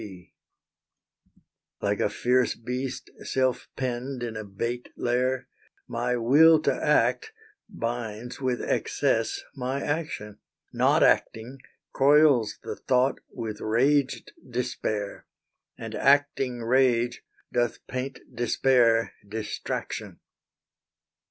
Like a fierce beast self penned in a bait lair, My will to act binds with excess my action, Not acting coils the thought with raged despair, And acting rage doth paint despair distraction.